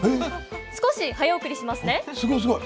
少し早送りしますね。